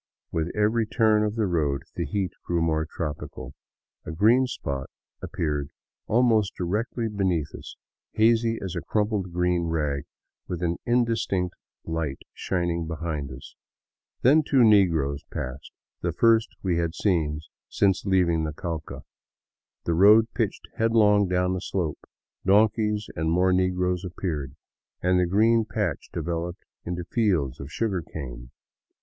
With every turn of the road the heat grew more tropical. A green spot appeared almost directly beneath us, hazy as a crumpled green rag with an indistinct light shining behind it. Then two negroes passed, the first we had seen since leaving the Cauca. The road pitched headlong down a slope, donkeys and more negroes appeared, and the green patch developed into fields of sugarcane.